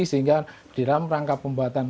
sehingga di dalam rangka pembuatan